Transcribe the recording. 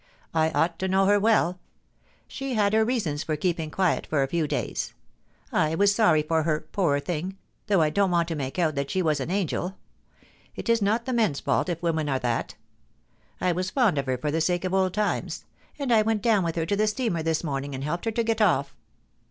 I ought to know her well She had her reasons for keeping quiet for a few days. I was sorry for her, poor thing, though I don't want to make out that she was an angel ; it is not the men's fault if women are that I was fond of her for the sake of old times, and I went down with her to the steamer this morning and helped her to get off.'